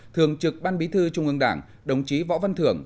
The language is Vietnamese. thường trực ban bí thư trung ương đảng đồng chí võ văn thưởng